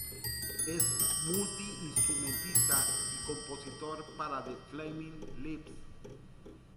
Es multiinstrumentista y compositor para The Flaming Lips.